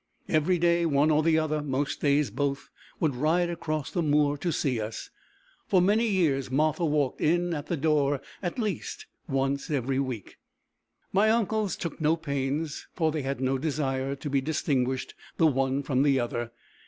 Every day one or the other, most days both, would ride across the moor to see us. For many years Martha walked in at the door at least once every week. My uncles took no pains, for they had no desire, to be distinguished the one from the other.